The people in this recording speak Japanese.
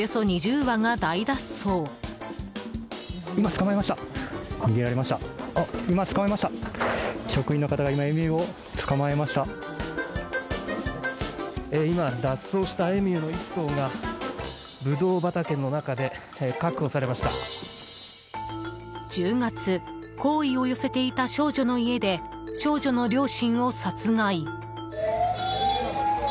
１０月好意を寄せていた少女の家で少女の両親を殺害。